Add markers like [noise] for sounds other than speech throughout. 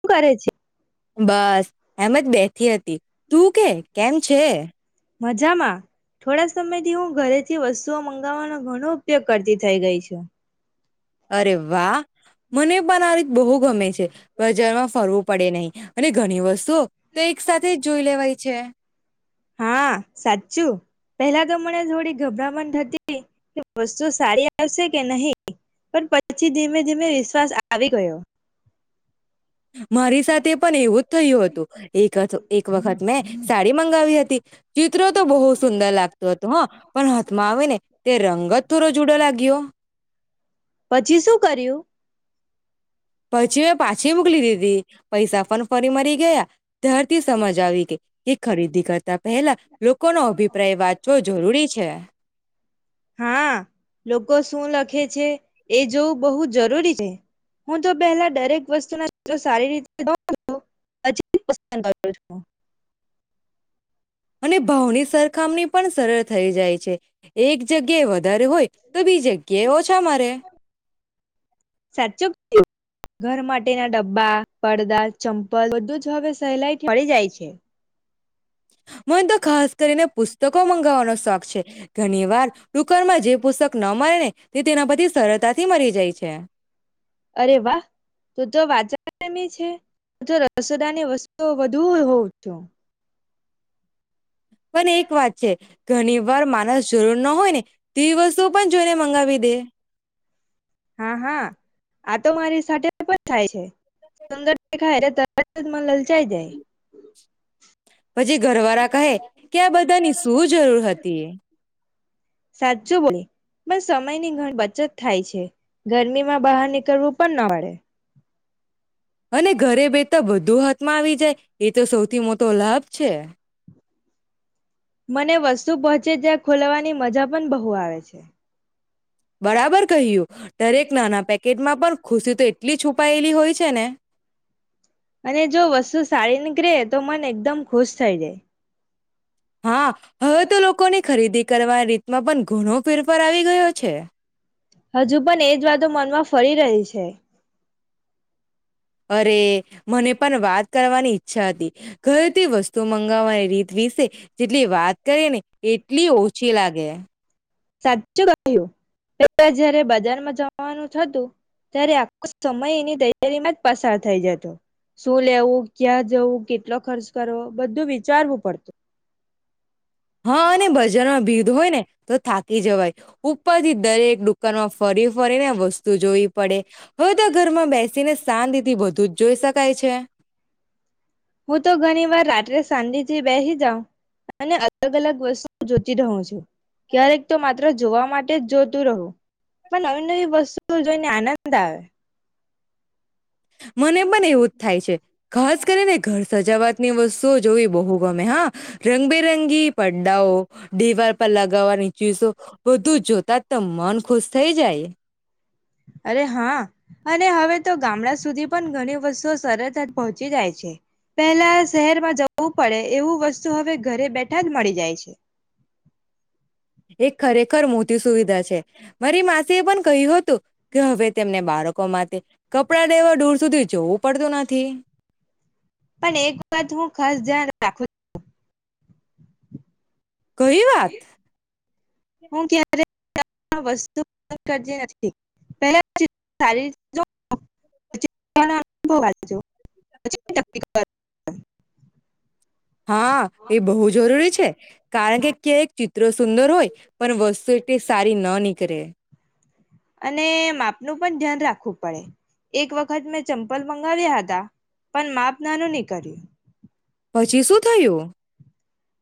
શું કરે છે? બસ, એમજ બેઠી હતી. તું કે કેમ છે? મજામાં થોડા સમયથી હું ઘરે થી વસ્તુઓ મંગાવવાનો ઘણો ઉપયોગ કરતી થઇ ગઈ છું. અરે વાહ મને પણ આ રીત બહુ ગમે છે. બજારમાં ફરવું પડે નહી અને ઘણી વસ્તુઓ તો એક સાથે જ જોઈ લેવાય છે. હા, સાચું પેલા તો મને થોડી ગભરામણતી કે વસ્તુ સારી આવશે કે નહી પણ પછી ધીમે-ધીમે વિશ્વાસ આવી ગયો. મારી સાથે પણ એવું જ થયું હતું. એક-એક વખત મેં સાડી મંગાવી હતી. ચિત્રો તો બહુ સુંદર લાગતું હતો હ પણ હાથમાં આવી ને તે રંગ જ થોડો જુદો લાગ્યો. પછી શું કર્યું? પછી મેં પાછી મોકલી દીધી. પૈસા પણ ફરી મળી ગયા. ત્યારથી સમજ આવી કે તે ખરીદી કરતા પહેલા લોકોનો અભિપ્રાય વાંચવો જરૂરી છે. હા, લોકો શું લખે છે એ જોવું બહુ જરૂરી છે. હું તો પહેલા દરેક વસ્તુ ના સારી રીતે ન ખૂબ જ [inaudible] અને ભાવની સરખામણી પણ સરળ થઈ જાય છે એક જગ્યાએ. ર હોય તો બીજે કેવ છેરે સાચું કયું ઘર માટેના ડબ્બા પડદા ચંપલ બધું જ હવે સહેલાઈ મળી જાય છે. મ તો ખાસ કરીને પુસ્તકો મંગાવવાનો શોખ છે ઘણી વાર દુકમાં જે પુસ્તક ન મળે ને તે તેના પરથી સરળતાથી મરી જાય છે. રસોદા ની વસ્તુ વધુ હોવ છો. પણ એક વાત છે ઘણી વાર માણસ જરૂર ન હોય ને તી વસ્તુ પણ જોઈને મંગાવી દે. હા હા આ તો મારી સાથે પણ થાય છે સુંદર દેખાય એટલે તરત જ મ લલચાઈ જાય. પછી ઘરવાળા કહે કે આ બધાની શું જરૂર હતી. સાચું બોલે પણ સમય ની ઘ બચત થાય છે ગરમીમાં બહાર નીકળવું પણ ન પડે. અને ઘરે બેતા બધું હતા. માં આવી જાય. એ તો સૌથી મોટો લાભ છે. મને વસ્તુ પહોંચે જ્યાં ખોલવાની મજા પણ બહુ આવે છે. બરાબર કહય્યું દરેક નાના પેકેટમાં પણ ખુશી તો એટલી છુપાયેલી હોય છે ને. અને જો વસ્તુ સાડી નીક રહે તો મન એકદમ ખુશ થઈ જાય. હા હવે તો લોકોની ખરીદી. કરવાની રીતમાં પણ ઘણો ફેરફાર આવી ગયો છે. હજુ પણ એજ વાતો મનમાં ફરી રહી છે. અરે મને પણ વાત કરવાની ઈચછ. છાદી. ઘરે તે વસ્તુમાં. મંગાવાની રીત વિસે. જેટલી વાત કરી ને એટલી ઓછી લાગે. [inaudible] સાચું કહ્યું જયારે બજારમાં જવાનું થતું ત્યારે આખો સમય એની તૈયારીમાં જ પસાર થઈ જતો શું લેવું ક્યાં જવું કેટલો ખર્ચ કરવો બધું વિચારવું પડતું. હા અને બજારમાં ભી. હોય ને તો થાકી જવાય. ઉપાધિ ઉપરથી કરે દરેક દુકાનમાં ફરી ફરીને વસ્તુ જોઈ. પડે. હવે તો ઘરમાં બેસીને શાંતિથી બધું જ જોઈ શકાય છે. સાાંદ થી બેસી જાાવ અને અલગ અલગ વસ્તુ જોતી રહું છું. ક્યારેક તો મા મિત્ર જોવા માટે જોતું રહો, પણ નવી નવી વસ્તુઓ જોઈને આનંદ આનંદ આવે. મને પણ એવુંતા થાય છે, ખાસ કરીને ઘર સજાવા ની વસ્તુઓ જોઈ બહુ ગમે હા. રંગબેરંગી પાડાઓ દિવાલ પર લગાવવાની ચીસો બધું જોતા તા મન ખુશ થઈ જાય. અરે હા અને હવે તો ગામડા સુધી પણ ઘણી વસ્તુઓ સરળતા પહોંચી જાય છે, પેલા શહેરમાં જવું પડે એવું વસ્તુ હવે ઘરે બેઠા જ મળી જાય છે. એ ખરેખર મોટી સુવિધા છે, મારી માસી એ પણ કહ્યું હતું કે હવે તેમને બાળક કમા તે કપડા દેવાઢૂર સુધી ધોવું પડતું નથી. પણ એક વાત હું ખાસ ધ્યાન રાખું કઈ વાત. હું ક્યારે [unintelligible] વસ્તુ [unintelligible] ખર્ચી નથી, પેલા પછી સારી રીતે [unintelligible] પણ બો વાંચજો. [unintelligible] [inaudible] હા એ બહુ જરૂરી છે, કારણ કે ક્યાકિ સુંદર હોય, પણ વસ્તુ તે સારી ન નીકળે. વું પડે એક વખત મેં ચંપલ મંગાવ્યા હતા, પણ માપનાનું નીકળ્યું. પછી શું થયું?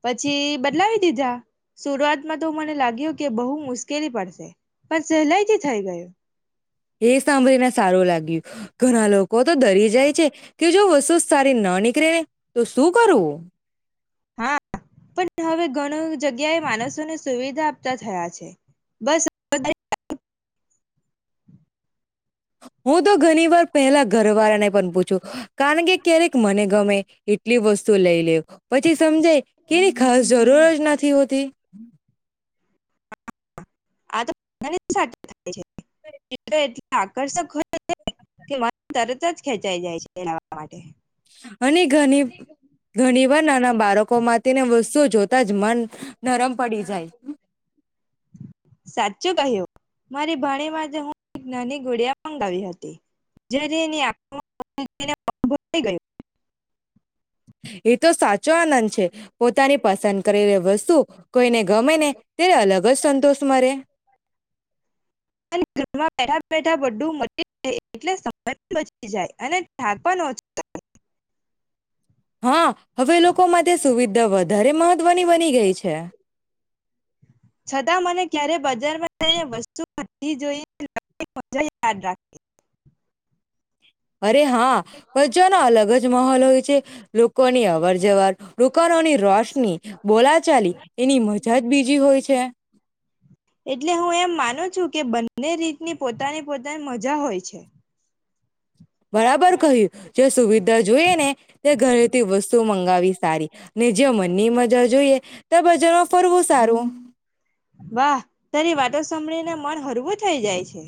પછી બદલાવી દીધા શરૂઆમાં તો મને લાગ્યું કે બહુ મુશ્કેલી પડશે પણ સહેલાઈથી થઈ ગયો. એ સાંભળીને સારું લાગ્યું ઘણા લોકો તો દરે જાય છે. કે જો વસ્સુ સારી ના નીક. [unintelligible] તો શું કરું? હા પણ હવે ઘણું જગ્યાએ માણસોને સુવિધા આપતા થયા છે, બસ આવે. [unintelligible] હું તો ઘણી વાર પહેલા ઘરવાળાને પણ પૂછું કારણ કે ક્યારેક મને ગમે કેટલી વસ્તુ લઈ લે પછી સમજાય કે એની ખાસ જરૂર જ નથી હોતી. [inaudible] આકર્ષક હોય કે મ તરત જ ખેંચાઈ જાય છેવા માટે. [inaudible] અને ઘની ઘણી વાર નાના બાળકો માટે ની વસ્તુઓ જોતા જ મન નરમ પડી જાય. સાચું કહ્યું મારી ભાણી માટે હું એક નાની ગુળિયા મંગાવી હતી. [inaudible] એ તો સાચો આનંદ છે પોતાની પસંદ કરેલી વસ્તુ કોઈને ગમે ને ત્યારે અલગ જ સંતોષ મરે. અને ઘરમાં બેઠા બેઠા બડુ મટી જાય એટલે સમય પણ બચી જાય અને થક પણ ઓછો લા હા હવે લોકો માટે સુવિધા વધારે મહવ વની બની ગઈ છે. છતાં મને ક્યારે બજારમાંને વસ્તુવી જોઈ [inaudible] યાદ રાખ અરે હા [unintelligible] નો અલગ જ માહોલ હોય છે. લોકોની અવર જવર રોકારોની રોશની બોલાચાલી એની મજા જ બીજી હોય છે. એટલે હું એમ માનું છું કે બંને રીતની પોતાની પોતાની મજા હોય છે. બરાબર કહ્યું જે સુવિધા જોઈએ ને તે ઘરેથી વસ્તુ મંગાવી સારી ને જ મનની મજા જોઈએ ત્યાં બજારમાં ફરવું સારું. વાહ તારી વાતો સાંભળી ને મન હરવું થઈ જાય છે.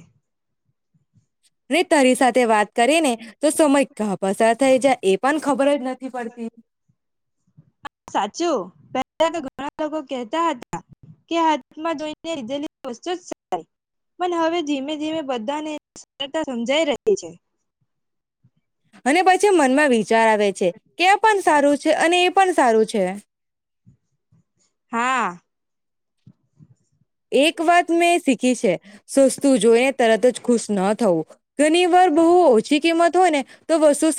રે તારી સાથે વાત કરી ને તો સમય ક પસાર થઈ જાય એ પણ ખબર જ નથી પડતી. સાચું પહેલા તો ઘણા લોકો કહેતા હતા કે હાથમાં જોઈને લીધે વસ્તુ પણ હવે ધીમે ધીમે બધાને સરળતા સમજાઈ રહી છે. અને પછી મનમાં વિચાર આવે છે. કે પણ સારું છે અને એ પણ સારું છે. હા. એક વાત મેં શી ખી છે સુસ્તું જોઈ તરત જ ખુશ ન થવું. ધની વાર બહુ ઓછી કિંમત. [unintelligible]